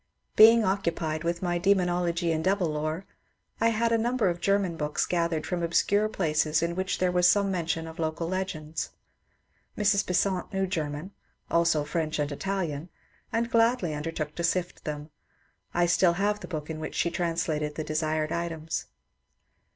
Being occupied with my '* Demonology and Devil Lore," I had a number of German books gathered from obscure places in which there was some mention of local legends. Mrs. Besant knew German (also French and Italian), and gladly under took to sift them. I still have the book in which she translated the desired items.